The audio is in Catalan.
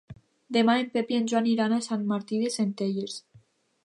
Demà en Pep i en Joan iran a Sant Martí de Centelles.